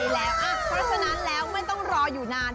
เพราะฉะนั้นแล้วไม่ต้องรออยู่นาน